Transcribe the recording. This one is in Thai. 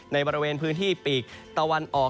ในบริเวณพื้นที่ปีกตะวันออก